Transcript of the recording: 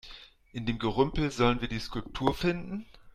In dem Gerümpel sollen wir die Skulptur finden?